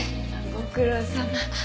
ご苦労さま。